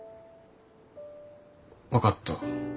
分かった。